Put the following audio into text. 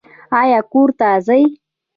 ایا کور ته ځئ؟